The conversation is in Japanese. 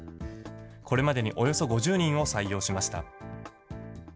これまでにおよそ５０人を採用しました。